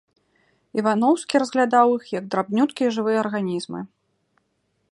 Іваноўскі разглядаў іх як драбнюткія жывыя арганізмы.